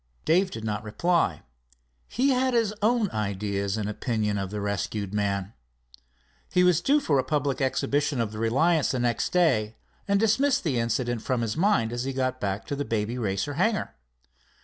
Dave did not reply. He had his own ideas and opinion of the rescued man. He was due for a public exhibition of the Reliance the next day, and dismissed the incident from his mind as he got back to the Baby Racer hangar.